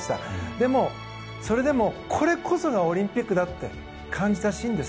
でも、それでもこれこそがオリンピックだって感じたシーンです。